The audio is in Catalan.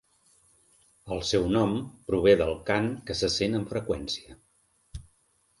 El seu nom prové del cant que se sent amb freqüència.